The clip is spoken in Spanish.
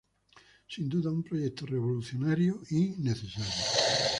Sin duda un proyecto revolucionario y necesario.